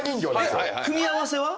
組み合わせは？